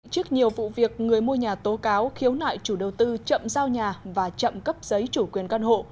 trước nhiều vụ việc người mua nhà tố cáo khiếu nại chủ đầu tư chậm giao nhà và chậm cấp giấy chủ quyền căn hộ